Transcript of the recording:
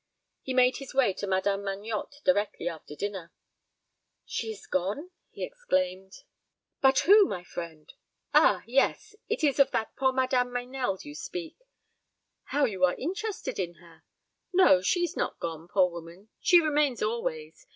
He made his way to Madame Magnotte directly after dinner. "She is gone?" he exclaimed. "But who, my friend? Ah, yes; it is of that poor Madame Meynell you speak. How you are interested in her! No, she is not gone, poor woman. She remains always.